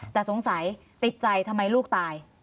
แต่สงสัยติดใจทำไมลูกตาย